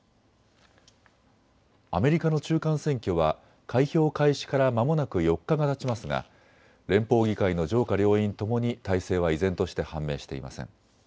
アメリカの中間選挙は開票開始からまもなく４日がたちますが連邦議会の上下両院ともに大勢は依然として判明していません。